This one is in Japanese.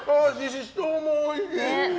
シシトウもおいしい！